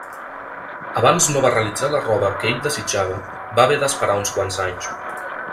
Abans no va realitzar la roba que ell desitjava va haver d'esperar uns quants anys.